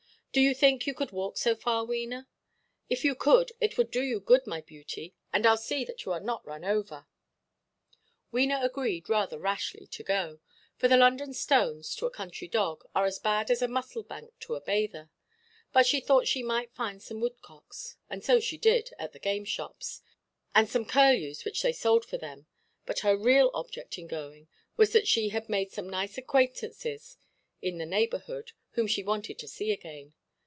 Do you think you could walk so far, Wena? If you could, it would do you good, my beauty; and Iʼll see that you are not run over." Wena agreed, rather rashly, to go; for the London stones, to a country dog, are as bad as a mussel–bank to a bather; but she thought she might find some woodcocks—and so she did, at the game–shops, and some curlews which they sold for them—but her real object in going, was that she had made some nice acquaintances in the neighbourhood, whom she wanted to see again.